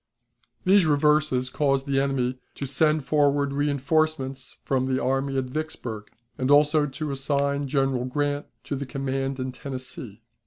These reverses caused the enemy to send forward reënforcements from the army at Vicksburg, and also to assign General Grant to the command in Tennessee.